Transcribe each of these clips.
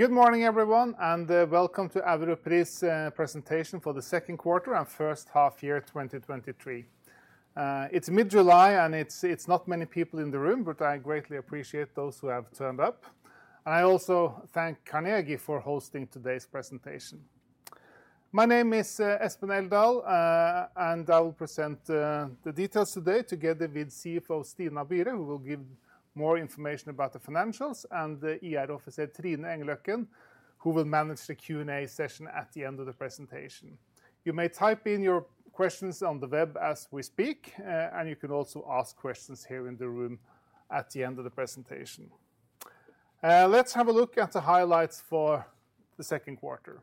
Good morning, everyone, and welcome to Europris presentation for the second quarter and first half year, 2023. It's mid-July, and it's not many people in the room, but I greatly appreciate those who have turned up. I also thank Carnegie for hosting today's presentation. My name is Espen Eldal, and I will present the details today together with CFO Stina Byre, who will give more information about the financials, and the IR officer Trine Engløkken, who will manage the Q&A session at the end of the presentation. You may type in your questions on the web as we speak, and you can also ask questions here in the room at the end of the presentation. Let's have a look at the highlights for the second quarter.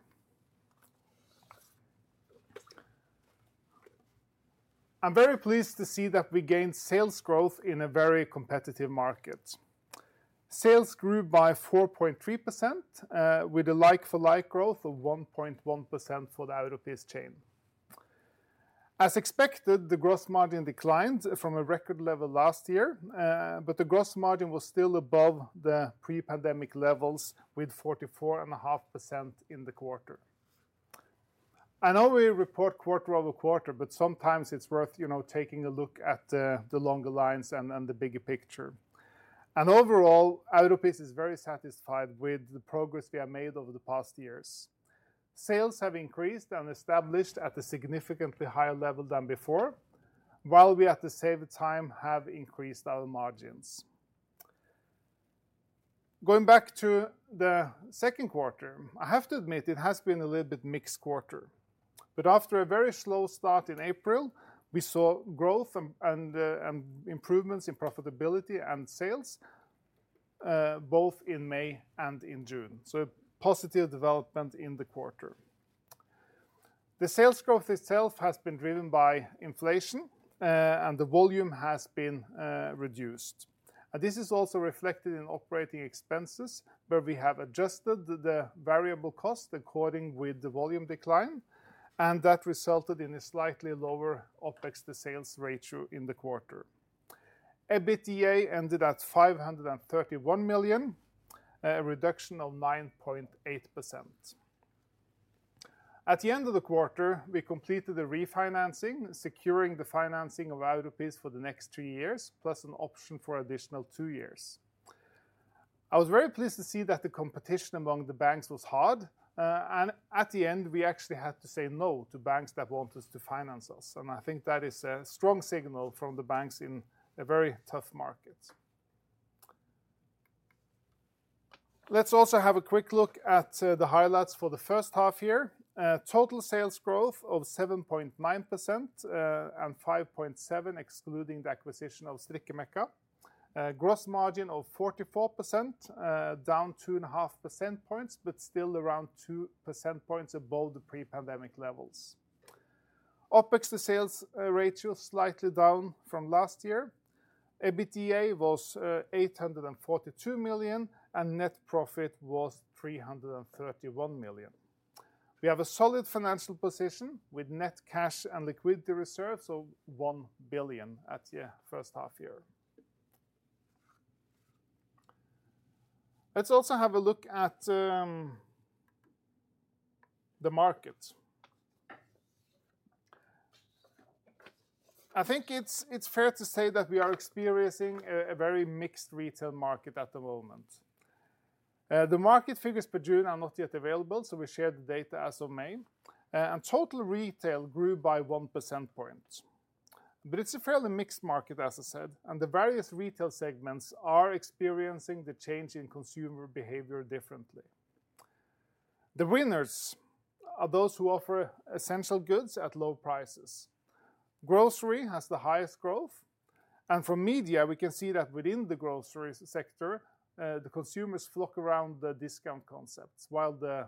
I'm very pleased to see that we gained sales growth in a very competitive market. Sales grew by 4.3%, with a like-for-like growth of 1.1% for the Europris chain. As expected, the gross margin declined from a record level last year, but the gross margin was still above the pre-pandemic levels, with 44.5% in the quarter. I know we report quarter-over-quarter, but sometimes it's worth, you know, taking a look at the longer lines and the bigger picture. Overall, Europris is very satisfied with the progress we have made over the past years. Sales have increased and established at a significantly higher level than before, while we, at the same time, have increased our margins. Going back to the second quarter, I have to admit it has been a little bit mixed quarter. After a very slow start in April, we saw growth and improvements in profitability and sales, both in May and in June. A positive development in the quarter. The sales growth itself has been driven by inflation, and the volume has been reduced. This is also reflected in operating expenses, where we have adjusted the variable cost according with the volume decline, and that resulted in a slightly lower OpEx to sales ratio in the quarter. EBITDA ended at 531 million, a reduction of 9.8%. At the end of the quarter, we completed the refinancing, securing the financing of Europris for the next two years, plus an option for additional two years. I was very pleased to see that the competition among the banks was hard. At the end, we actually had to say no to banks that want us to finance us. I think that is a strong signal from the banks in a very tough market. Let's also have a quick look at the highlights for the first half year. Total sales growth of 7.9% and 5.7%, excluding the acquisition of Strikkemekka. Gross margin of 44%, down 2.5 percentage points, still around 2 percentage points above the pre-pandemic levels. OpEx to sales ratio slightly down from last year. EBITDA was 842 million. Net profit was 331 million. We have a solid financial position with net cash and liquidity reserves of 1 billion at the first half year. Let's also have a look at the market. I think it's fair to say that we are experiencing a very mixed retail market at the moment. The market figures for June are not yet available, we share the data as of May. Total retail grew by 1 percent point. It's a fairly mixed market, as I said, and the various retail segments are experiencing the change in consumer behavior differently. The winners are those who offer essential goods at low prices. Grocery has the highest growth, and from media, we can see that within the grocery sector, the consumers flock around the discount concepts, while the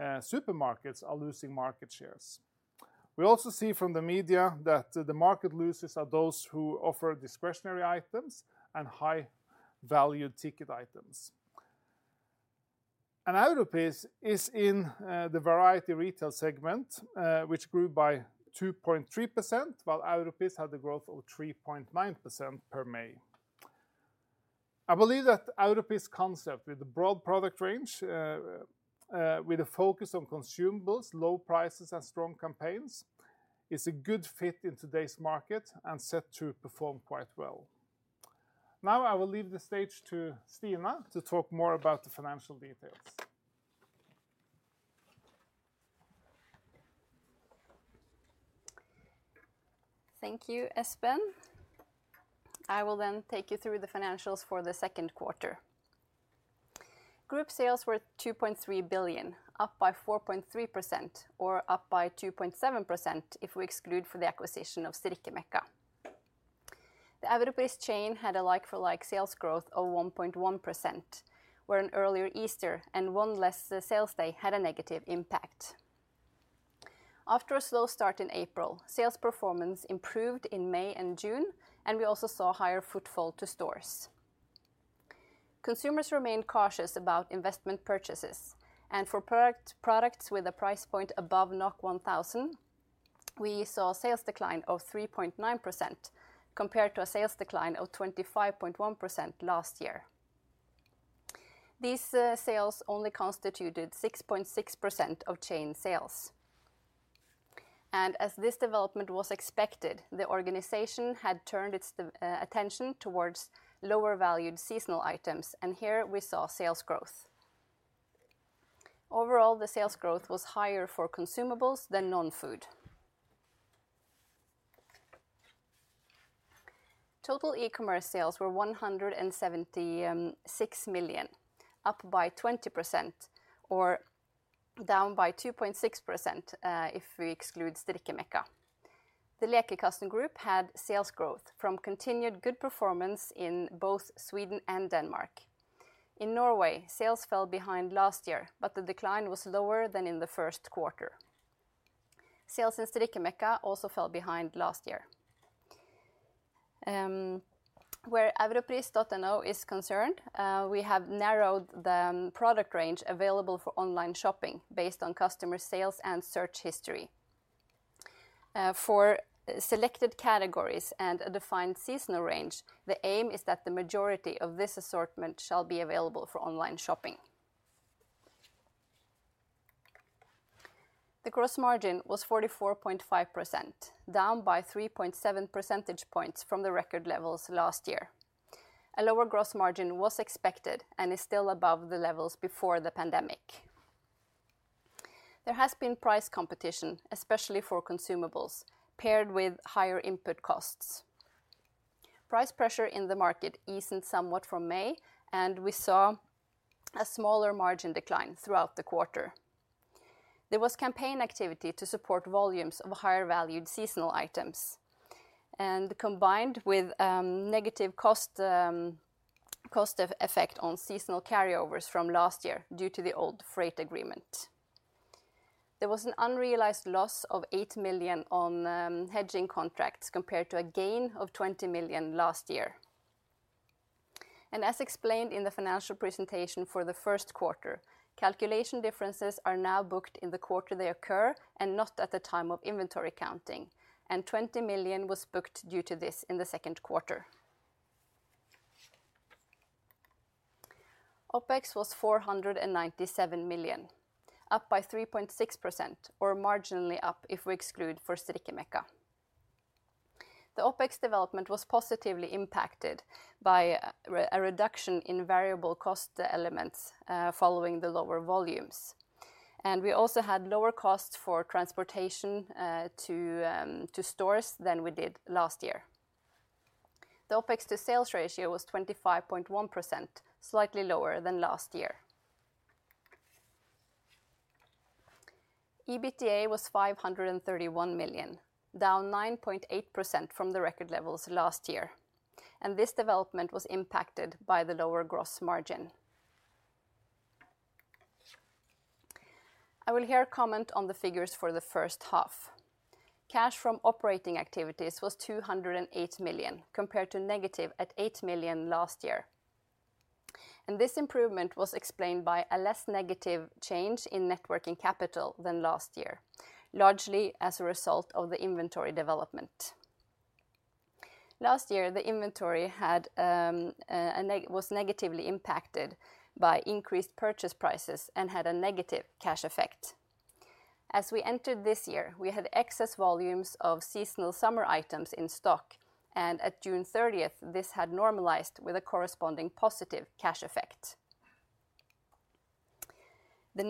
supermarkets are losing market shares. We also see from the media that the market loses are those who offer discretionary items and high-value ticket items. Europris is in the variety retail segment, which grew by 2.3%, while Europris had the growth of 3.9% per May. I believe that Europris' concept, with a broad product range, with a focus on consumables, low prices, and strong campaigns, is a good fit in today's market and set to perform quite well. Now, I will leave the stage to Stina to talk more about the financial details. Thank you, Espen. I will take you through the financials for the second quarter. Group sales were 2.3 billion, up by 4.3% or up by 2.7% if we exclude for the acquisition of Strikkemekka. The Europris chain had a like-for-like sales growth of 1.1%, where an earlier Easter and one less sales day had a negative impact. After a slow start in April, sales performance improved in May and June. We also saw higher footfall to stores. Consumers remained cautious about investment purchases, for products with a price point above 1,000, we saw a sales decline of 3.9%, compared to a sales decline of 25.1% last year. These sales only constituted 6.6% of chain sales. As this development was expected, the organization had turned its attention towards lower valued seasonal items, and here we saw sales growth. Overall, the sales growth was higher for consumables than non-food. Total e-commerce sales were 176 million, up by 20%, or down by 2.6%, if we exclude Strikkemekka. The Lekekassen Group had sales growth from continued good performance in both Sweden and Denmark. In Norway, sales fell behind last year, but the decline was lower than in the first quarter. Sales in Strikkemekka also fell behind last year. Where europris.no is concerned, we have narrowed the product range available for online shopping based on customer sales and search history. For selected categories and a defined seasonal range, the aim is that the majority of this assortment shall be available for online shopping. The gross margin was 44.5%, down by 3.7 percentage points from the record levels last year. A lower gross margin was expected and is still above the levels before the pandemic. There has been price competition, especially for consumables, paired with higher input costs. Price pressure in the market eased somewhat from May, and we saw a smaller margin decline throughout the quarter. There was campaign activity to support volumes of higher valued seasonal items, and combined with negative cost effect on seasonal carryovers from last year due to the old freight agreement. There was an unrealized loss of 8 million on hedging contracts, compared to a gain of 20 million last year. As explained in the financial presentation for the first quarter, calculation differences are now booked in the quarter they occur, and not at the time of inventory counting, and 20 million was booked due to this in the second quarter. OpEx was 497 million, up by 3.6%, or marginally up if we exclude for Strikkemekka. The OpEx development was positively impacted by a reduction in variable cost elements, following the lower volumes. We also had lower costs for transportation to stores than we did last year. The OpEx to sales ratio was 25.1%, slightly lower than last year. EBITDA was 531 million, down 9.8% from the record levels last year, and this development was impacted by the lower gross margin. I will here comment on the figures for the first half. Cash from operating activities was 208 million, compared to negative at 8 million last year. This improvement was explained by a less negative change in networking capital than last year, largely as a result of the inventory development. Last year, the inventory was negatively impacted by increased purchase prices and had a negative cash effect. As we entered this year, we had excess volumes of seasonal summer items in stock, at June 30th, this had normalized with a corresponding positive cash effect. The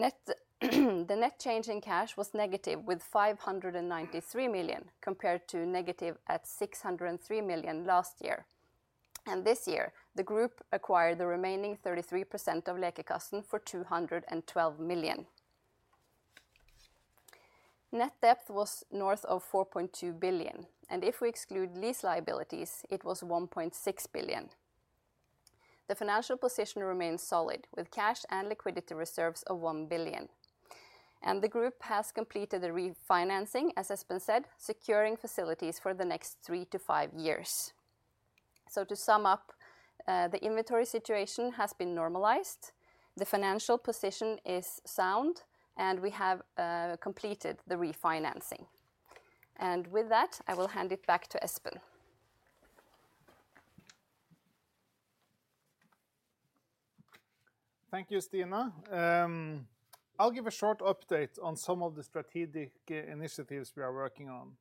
net change in cash was negative, with 593 million, compared to negative at 603 million last year. This year, the group acquired the remaining 33% of Lekekassen for 212 million. Net debt was north of 4.2 billion, and if we exclude lease liabilities, it was 1.6 billion. The financial position remains solid, with cash and liquidity reserves of 1 billion. The group has completed the refinancing, as has been said, securing facilities for the next three to five years. To sum up, the inventory situation has been normalized, the financial position is sound, and we have completed the refinancing. With that, I will hand it back to Espen. Thank you, Stina. I'll give a short update on some of the strategic initiatives we are working on.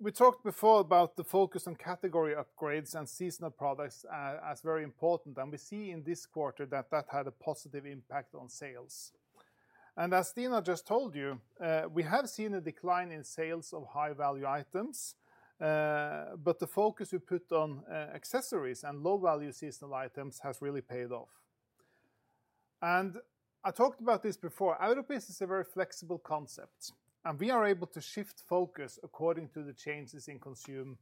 We talked before about the focus on category upgrades and seasonal products as very important, and we see in this quarter that that had a positive impact on sales. As Stina just told you, we have seen a decline in sales of high-value items, but the focus we put on accessories and low-value seasonal items has really paid off. I talked about this before. Europris is a very flexible concept, and we are able to shift focus according to the changes in consumer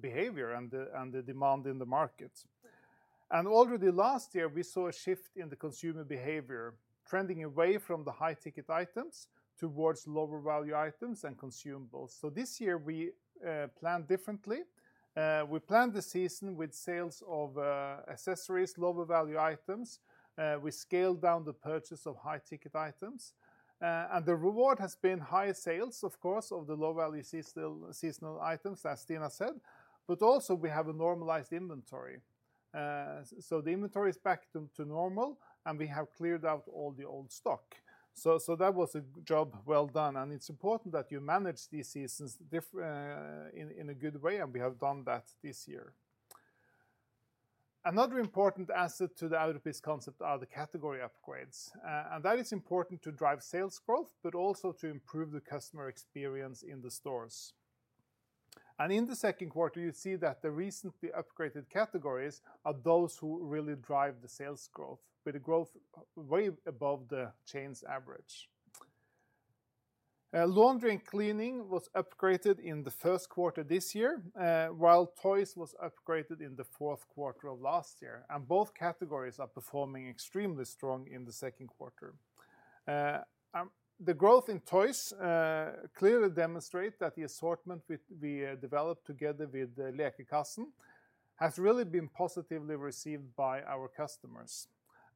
behavior and the demand in the market. Already last year, we saw a shift in the consumer behavior, trending away from the high-ticket items towards lower-value items and consumables. This year, we planned differently. We planned the season with sales of accessories, lower-value items. We scaled down the purchase of high-ticket items. The reward has been higher sales, of course, of the low-value seasonal items, as Stina said, but also we have a normalized inventory. The inventory is back to normal, and we have cleared out all the old stock. That was a job well done, and it's important that you manage these seasons in a good way, and we have done that this year. Another important asset to the Europris concept are the category upgrades. That is important to drive sales growth, but also to improve the customer experience in the stores. In the second quarter, you see that the recently upgraded categories are those who really drive the sales growth, with the growth way above the chain's average. Laundry and cleaning was upgraded in the first quarter this year, while toys was upgraded in the fourth quarter of last year, and both categories are performing extremely strong in the second quarter. The growth in toys, clearly demonstrate that the assortment we developed together with Lekekassen, has really been positively received by our customers.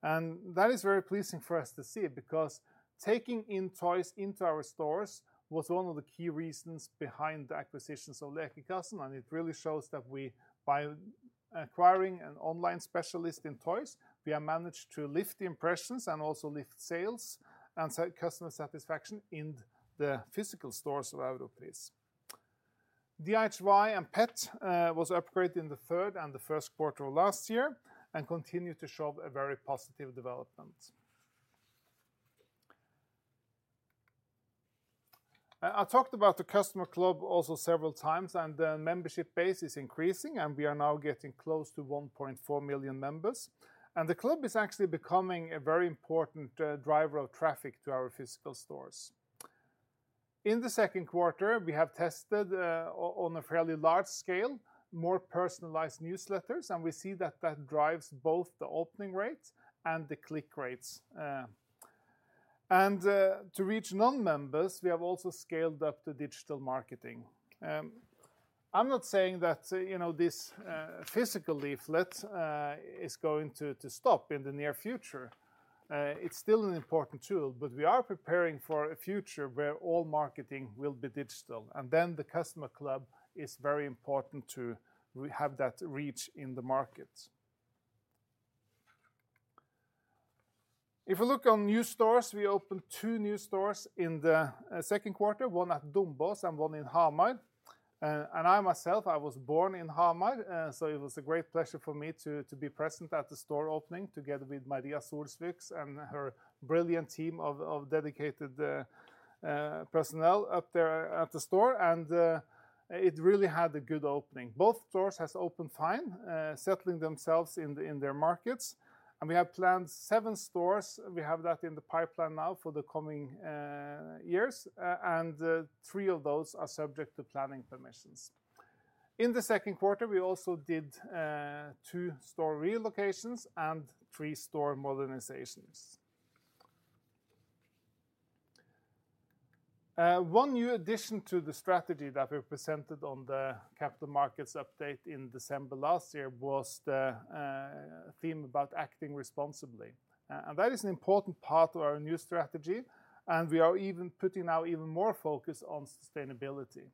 That is very pleasing for us to see, because taking in toys into our stores was one of the key reasons behind the acquisitions of Lekekassen, and it really shows that we, by acquiring an online specialist in toys, we have managed to lift the impressions and also lift sales and customer satisfaction in the physical stores of Europris. DIY and Pet was upgraded in the third and the first quarter of last year and continue to show a very positive development. I talked about the customer club also several times, and the membership base is increasing, and we are now getting close to 1.4 million members. The club is actually becoming a very important driver of traffic to our physical stores. In the second quarter, we have tested on a fairly large scale, more personalized newsletters, and we see that that drives both the opening rates and the click rates. To reach non-members, we have also scaled up the digital marketing. I'm not saying that, you know, this physical leaflet is going to stop in the near future. It's still an important tool, but we are preparing for a future where all marketing will be digital, and then the customer club is very important to we have that reach in the market. If you look on new stores, we opened two new stores in the second quarter, one at Dombås and one in Hamar. I myself, I was born in Hamar, so it was a great pleasure for me to be present at the store opening together with Maria Solsvik and her brilliant team of dedicated personnel up there at the store, and it really had a good opening. Both stores has opened fine, settling themselves in their markets, and we have planned seven stores. We have that in the pipeline now for the coming years, and three of those are subject to planning permissions. In the second quarter, we also did two store relocations and three store modernizations. One new addition to the strategy that we presented on the capital markets update in December last year was the theme about acting responsibly. That is an important part of our new strategy, and we are even putting now even more focus on sustainability.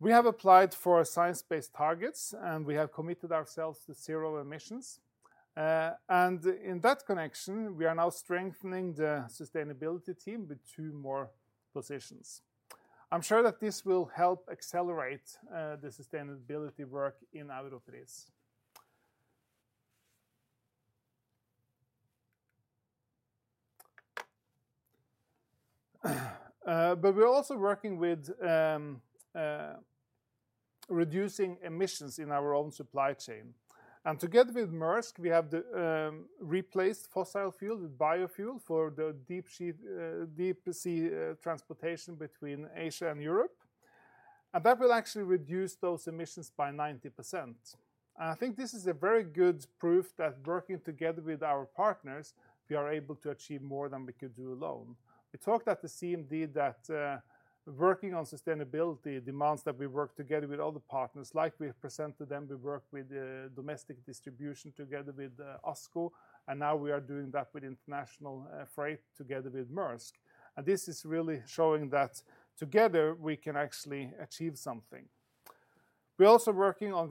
We have applied for science-based targets, and we have committed ourselves to zero emissions. In that connection, we are now strengthening the sustainability team with two more positions. I'm sure that this will help accelerate the sustainability work in Europris. We're also working with reducing emissions in our own supply chain. Together with Maersk, we have replaced fossil fuel with biofuel for the deep sea, deep-sea transportation between Asia and Europe, and that will actually reduce those emissions by 90%. I think this is a very good proof that working together with our partners, we are able to achieve more than we could do alone. We talked at the CMD that working on sustainability demands that we work together with other partners. Like we have presented them, we work with the domestic distribution together with ASKO, and now we are doing that with international freight, together with Maersk. This is really showing that together, we can actually achieve something. We're also working on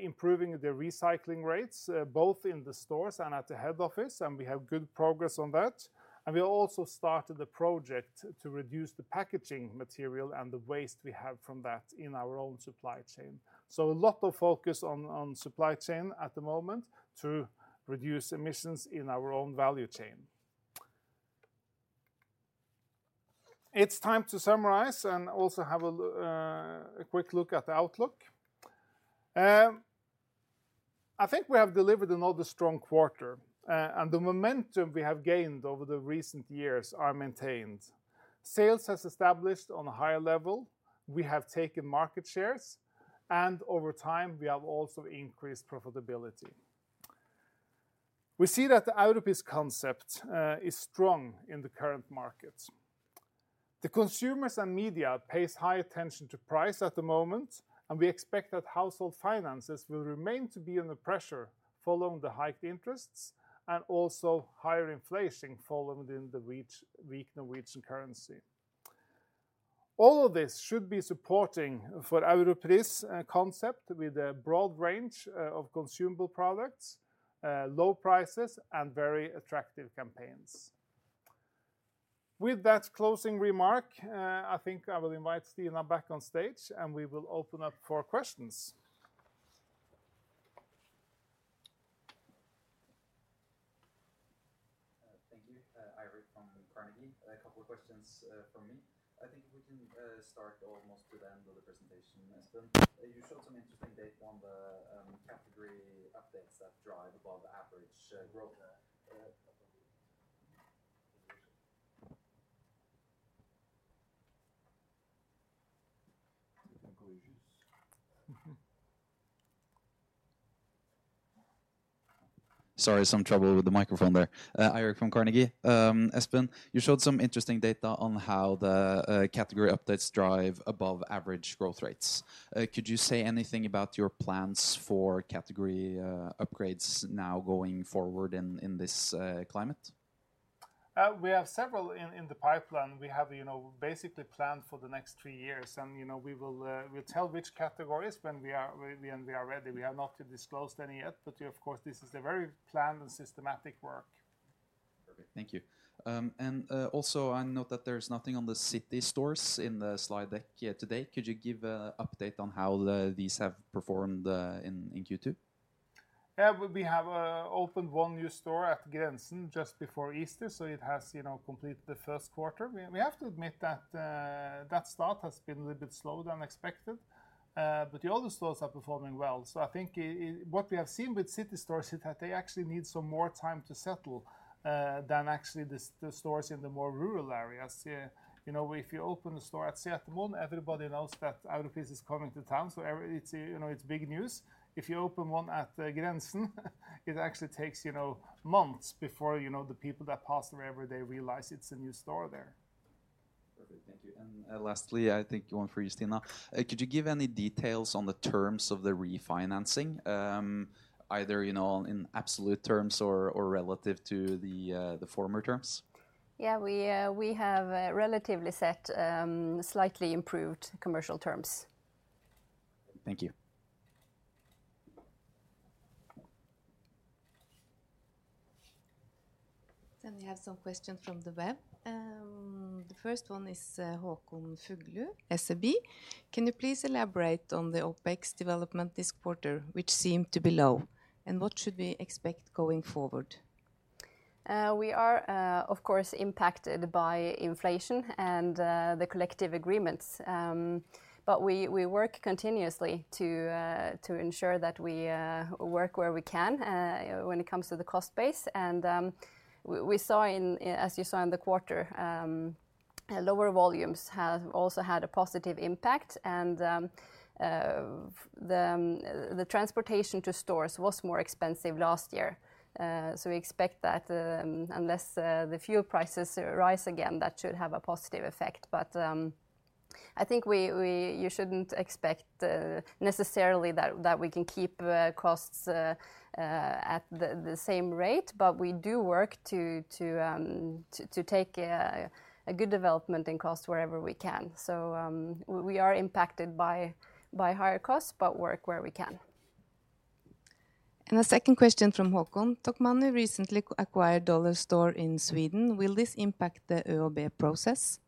improving the recycling rates, both in the stores and at the head office, and we have good progress on that. We also started a project to reduce the packaging material and the waste we have from that in our own supply chain. A lot of focus on supply chain at the moment to reduce emissions in our own value chain. It's time to summarize and also have a quick look at the outlook. I think we have delivered another strong quarter, the momentum we have gained over the recent years are maintained. Sales has established on a higher level, we have taken market shares, and over time, we have also increased profitability. We see that the Europris concept is strong in the current market. The consumers and media pays high attention to price at the moment, we expect that household finances will remain to be under pressure following the hiked interests and also higher inflation following the weak Norwegian currency. All of this should be supporting for Europris concept with a broad range of consumable products, low prices, and very attractive campaigns. With that closing remark, I think I will invite Stina back on stage, we will open up for questions. Thank you. Eirik from Carnegie. A couple of questions from me. I think if we can start almost to the end of the presentation, Espen. You showed some interesting data on the category updates that drive above average growth. Sorry, some trouble with the microphone there. Eirik from Carnegie. Espen, you showed some interesting data on how the category updates drive above average growth rates. Could you say anything about your plans for category upgrades now going forward in this climate? We have several in the pipeline. We have, you know, basically planned for the next three years, and, you know, we will, we'll tell which categories when we are ready. We have not disclosed any yet, but of course, this is a very planned and systematic work. Perfect. Thank you. Also, I note that there's nothing on the city stores in the slide deck here today. Could you give a update on how these have performed in Q2? Yeah, we have opened one new store at Grensen just before Easter, so it has, you know, completed the first quarter. We have to admit that start has been a little bit slower than expected, but the other stores are performing well. I think what we have seen with city stores is that they actually need some more time to settle than actually the stores in the more rural areas. Yeah, you know, if you open a store at Setermoen, everybody knows that Europris is coming to town, so it's, you know, it's big news. If you open one at Grensen, it actually takes, you know, months before, you know, the people that pass there every day realize it's a new store there. Perfect. Thank you. Lastly, I think one for you, Stina. Could you give any details on the terms of the refinancing, either, you know, in absolute terms or relative to the former terms? We have, relatively set, slightly improved commercial terms. Thank you. We have some questions from the web. The first one is Håkon Fuglu, SEB. Can you please elaborate on the OpEx development this quarter, which seemed to be low, and what should we expect going forward? We are, of course, impacted by inflation and the collective agreements. We work continuously to ensure that we work where we can when it comes to the cost base, and we saw in, as you saw in the quarter, lower volumes have also had a positive impact, and the transportation to stores was more expensive last year. We expect that, unless the fuel prices rise again, that should have a positive effect. I think you shouldn't expect necessarily that we can keep costs at the same rate, but we do work to take a good development in cost wherever we can. We are impacted by higher costs, but work where we can. A second question from Håkon. Tokmanni recently acquired Dollarstore in Sweden. Will this impact the ÖoB process?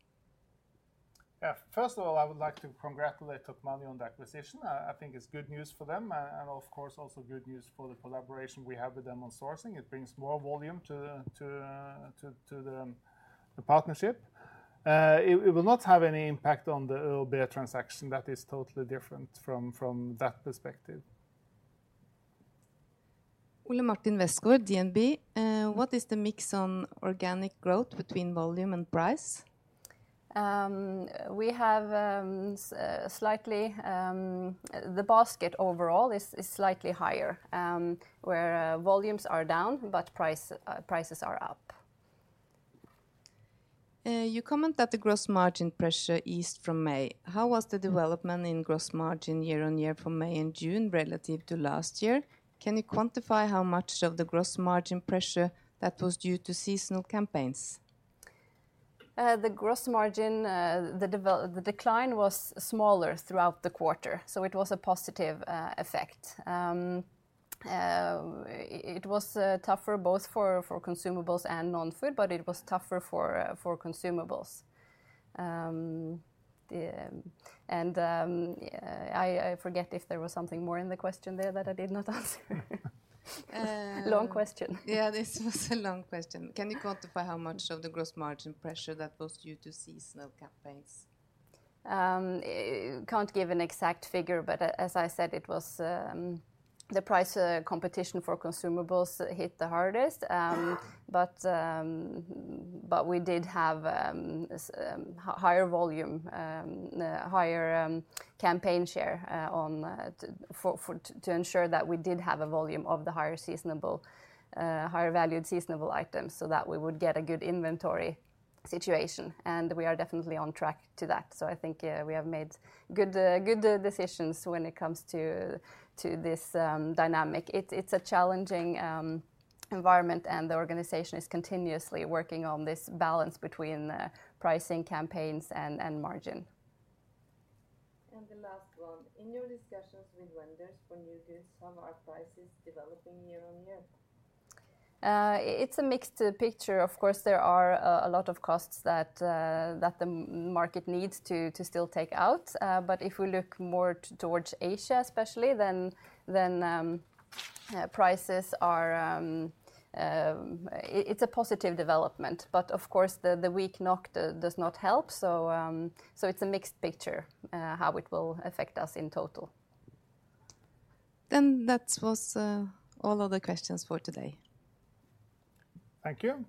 Yeah. First of all, I would like to congratulate Tokmanni on the acquisition. I think it's good news for them, and of course, also good news for the collaboration we have with them on sourcing. It brings more volume to the partnership. It will not have any impact on the ÖoB transaction. That is totally different from that perspective. Ole Martin Westgaard, DNB. What is the mix on organic growth between volume and price? The basket overall is slightly higher, where volumes are down, but prices are up. You comment that the gross margin pressure eased from May. How was the development in gross margin year on year from May and June relative to last year? Can you quantify how much of the gross margin pressure that was due to seasonal campaigns? The gross margin, the decline was smaller throughout the quarter, so it was a positive effect. It was tougher both for consumables and non-food, but it was tougher for consumables. I forget if there was something more in the question there that I did not answer. Long question. Yeah, this was a long question. Can you quantify how much of the gross margin pressure that was due to seasonal campaigns? Can't give an exact figure, as I said, it was the price competition for consumables hit the hardest. We did have higher volume, higher campaign share on to ensure that we did have a volume of the higher seasonable, higher valued seasonable items, so that we would get a good inventory situation, and we are definitely on track to that. I think we have made good decisions when it comes to this dynamic. It's a challenging environment, and the organization is continuously working on this balance between pricing, campaigns, and margin. The last one, In your discussions with vendors when you do, some are prices developing year on year? It's a mixed picture. Of course, there are a lot of costs that the market needs to still take out. If we look more towards Asia, especially, then prices are. It's a positive development, but of course, the weak NOK does not help. It's a mixed picture how it will affect us in total. That was all of the questions for today. Thank you.